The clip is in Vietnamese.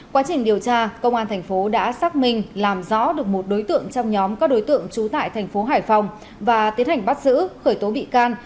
quá trình điều tra công an tp đã xác minh làm rõ được một đối tượng trong nhóm các đối tượng chủ tải tp hải phòng và tiến hành bắt giữ khởi tố bị can